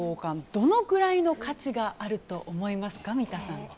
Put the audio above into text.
どのくらいの価値があると思いますか、三田さん。